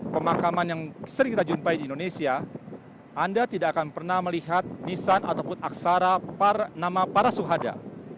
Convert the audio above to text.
pemakaman yang sering kita jumpai di indonesia anda tidak akan pernah melihat nisan ataupun aksara nama para suhada